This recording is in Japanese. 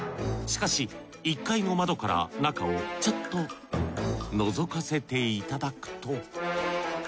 しかし１階の窓から中をちょっとのぞかせていただくと。